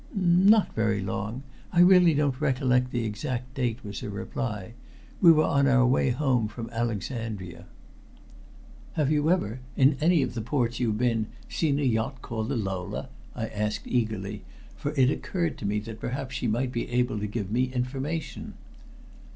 "Not very long. I really don't recollect the exact date," was her reply. "We were on our way home from Alexandria." "Have you ever, in any of the ports you've been, seen a yacht called the Lola?" I asked eagerly, for it occurred to me that perhaps she might be able to give me information.